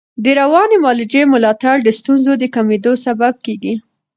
د رواني معالجې ملاتړ د ستونزو د کمېدو سبب کېږي.